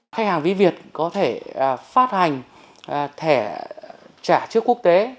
khách hàng ví việt có thể phát hành thẻ trả trước quốc tế